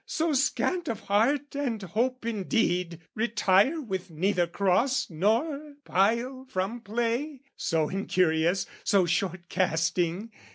So scant of heart and hope indeed? "Retire with neither cross nor pile from play? "So incurious, so short casting?